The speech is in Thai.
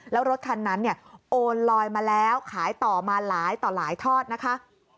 แล้วรถคันนั้นเนี่ยโอนลอยมาแล้วขายต่อมาหลายต่อหลายทอดนะคะ